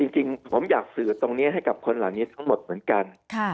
จริงผมอยากสื่อตรงนี้ให้กับคนเหล่านี้ทั้งหมดเหมือนกัน